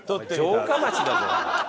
城下町だぞ。